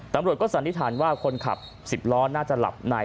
ตำรวจก็สันนิษฐานว่าคนขับ๑๐ล้อน่าจะหลับใน